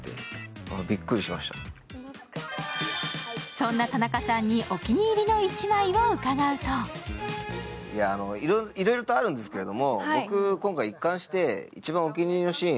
そんな田中さんにお気に入りの１枚を伺うといろいろとあるんですけど。